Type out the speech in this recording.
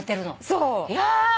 そう。